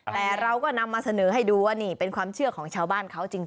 แต่เราก็นำมาเสนอให้ดูว่านี่เป็นความเชื่อของชาวบ้านเขาจริง